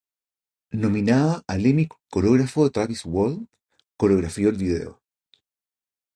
Nominada al Emmy coreógrafo Travis Wall coreografió el video.